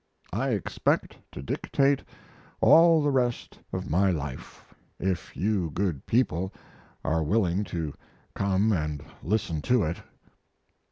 I expect to dictate all the rest of my life, if you good people are willing to come and listen to it."